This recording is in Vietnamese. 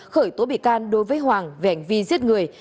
khởi tố bị can đối với hoàng về hành vi giết người